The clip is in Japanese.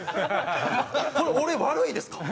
これ俺悪いですか？